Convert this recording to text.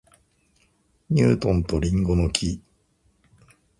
ニュートンと林檎の木